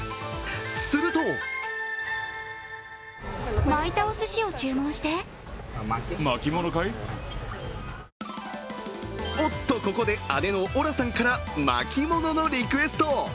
するとおっと、ここで姉のオラさんから巻きもののリクエスト。